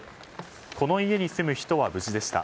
この家に住む人は無事でした。